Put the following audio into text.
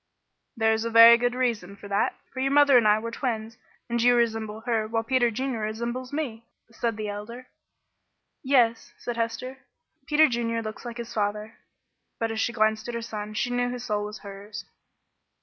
"There is a very good reason for that, for your mother and I were twins, and you resemble her, while Peter Junior resembles me," said the Elder. "Yes," said Hester, "Peter Junior looks like his father;" but as she glanced at her son she knew his soul was hers.